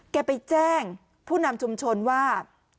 แกไปแจ้งผู้นำชุมชนว่า